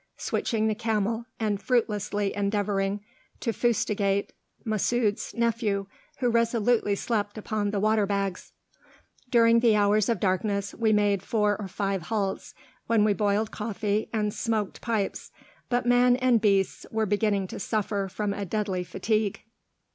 switching the camel, and fruitlessly endeavoring to fustigate Masud's nephew, who resolutely slept upon the water bags. During the hours of darkness we made four or five halts, when we boiled coffee and smoked pipes, but man and beasts were beginning to suffer from a deadly fatigue.